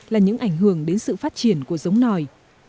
là những ảnh hưởng đến sự phát triển của giống nòi